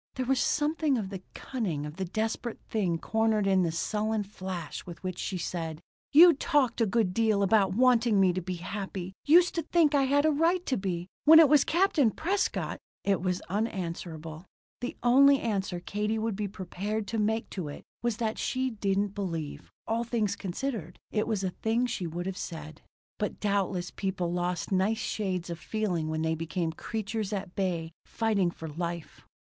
There was something of the cunning of the desperate thing cornered in the sullen flash with which she said: "You talked a good deal about wanting me to be happy. Used to think I had a right to be. When it was Captain Prescott " It was unanswerable. The only answer Katie would be prepared to make to it was that she didn't believe, all things considered, it was a thing she would have said. But doubtless people lost nice shades of feeling when they became creatures at bay fighting for life.